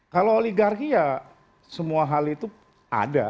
kalau oligarki ya semua hal itu ada